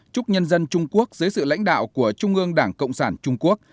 chúc nhân dân trung quốc dưới sự lãnh đạo của trung ương đảng cộng sản trung quốc